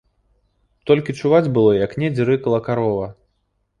Толькі чуваць было, як недзе рыкала карова.